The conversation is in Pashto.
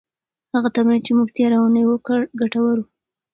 هغه تمرین چې موږ تېره اونۍ وکړه، ګټور و.